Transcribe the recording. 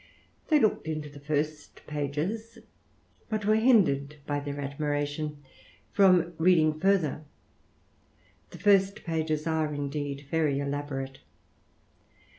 They looked into the first pages^ but were hindered, by their admiration, from reading further. The first pages are, indeed, very elaborate.